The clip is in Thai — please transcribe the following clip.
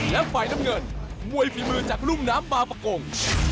และไฟล้ำเงินมวยฝีมือจากรุ่มน้ำบาปกง